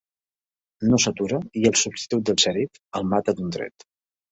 No s'atura i el substitut del xèrif el mata d'un tret.